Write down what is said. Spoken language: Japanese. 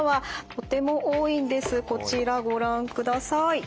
こちらご覧ください。